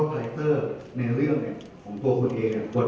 แล้วคุณลิงท์ท่องท้องเนี่ย